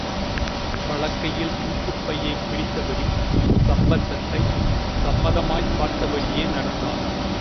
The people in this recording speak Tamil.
வலக்கையில் தூக்குப் பையைப் பிடித்தபடி, சம்பந்தத்தைச் சம்மதமாய்ப் பார்த்தபடியே நடந்தாள்.